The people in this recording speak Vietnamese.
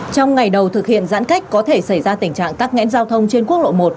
trong ngày đầu thực hiện giãn cách có thể xảy ra tình trạng tắc nghẽn giao thông trên quốc lộ một